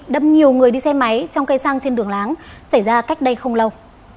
đâm nhiều người đi xe máy trong cây xăng trên đường láng xảy ra cách đây không lâu